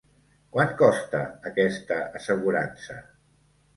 Quant costa aquesta assegurança?